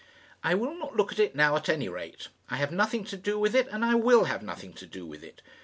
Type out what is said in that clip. "I will not look at it now at any rate. I have nothing to do with it, and I will have nothing to do with it.